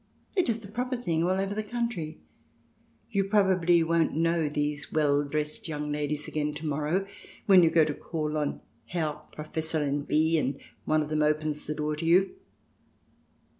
It is the proper thing all over the country. You probably won't know these well dressed young ladies again to morrow when you go to call on the Herr Professorin B , and one of them opens the door to you.